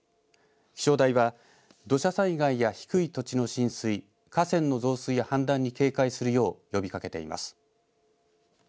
気象台は土砂災害や低い土地の浸水、河川の増水や氾濫に警戒するよう呼びかけています。